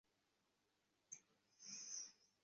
উষ্ণ পানিতে গোসল করেন।